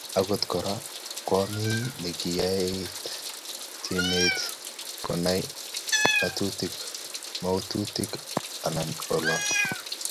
Akot Kora ko ami nekiyaei tiemet konai ngotkokityo magutik anan olo